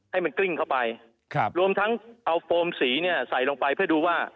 ให้มันกลิ้งเข้าไปครับรวมทั้งเอาโฟมสีเนี่ยใส่ลงไปเพื่อดูว่า